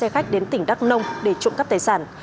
khách đến tỉnh đắk nông để trộm cắt tài sản